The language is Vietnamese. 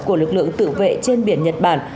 của lực lượng tự vệ trên biển nhật bản